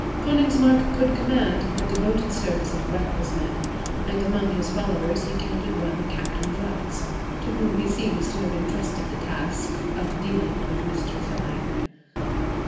Konigsmark could command the devoted service of reckless men, and among his followers he counted one Captain Vratz, to whom he seems to have entrusted the task of dealing with Mr. Thynne.